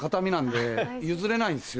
譲れないんですよ。